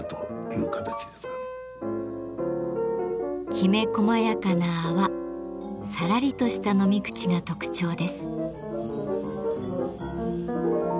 きめこまやかな泡さらりとした飲み口が特徴です。